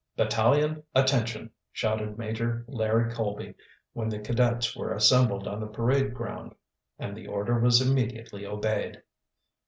"Battalion, attention!" shouted Major Larry Colby, when the cadets were assembled on the parade ground. And the order was immediately obeyed.